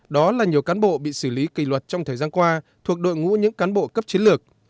đó là nhiều cán bộ bị xử lý kỳ luật trong thời gian qua thuộc đội ngũ những cán bộ cấp chiến lược